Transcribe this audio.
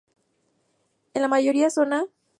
Es la mayor zona vitivinícola de Austria.